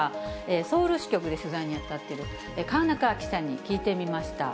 ソウル支局で取材に当たっている河中記者に聞いてみました。